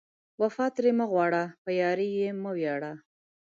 وفا ترې مه غواړه، په یارۍ یې مه ویاړه